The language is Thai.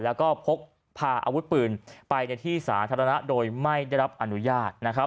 แล้วก็พกพาอาวุธปืนไปในที่สาธารณะโดยไม่ได้รับอนุญาตนะครับ